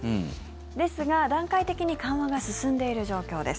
ですが、段階的に緩和が進んでいる状況です。